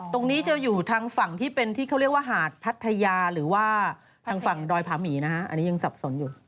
ตรงนี้จะอยู่ทางฝั่งที่เป็นที่เขาเรียกว่าหาดพัทยาหรือว่าทางฝั่งดอยผาหมีนะฮะอันนี้ยังสับสนอยู่